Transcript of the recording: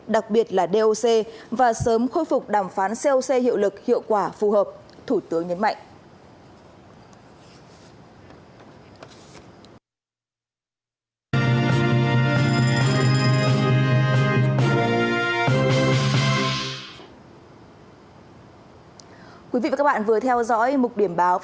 đặc biệt là doc và sớm khôi phục đàm phán coc hiệu lực hiệu quả phù hợp